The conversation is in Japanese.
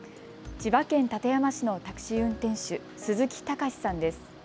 千葉県館山市のタクシー運転手、鈴木貴志さんです。